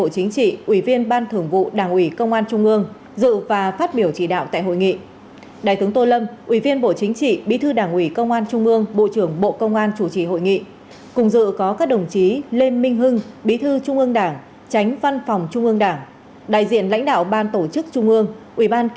các đồng chí trong đảng ủy công an trung ương lãnh đạo bộ công an